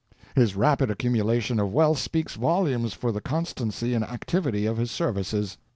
His rapid accumulation of wealth speaks volumes for the constancy and activity of his services.